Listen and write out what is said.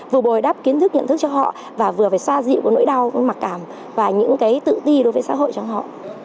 vừa đáp kiến thức nhận thức cho họ và vừa phải xoa dịu nỗi đau mặc cảm và những tự ti đối với xã hội trong họ